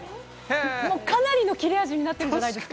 もうかなりの切れ味になってるんじゃないですか。